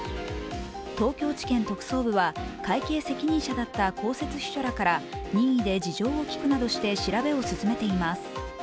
東京地検特捜部は会計責任者だった公設秘書らから任意で事情を聴くなどして調べを進めています。